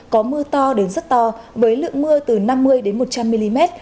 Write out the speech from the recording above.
có mưa to đến rất to với lượng mưa từ năm mươi một trăm linh mm